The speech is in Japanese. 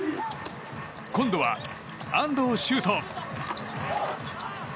今度は安藤周人。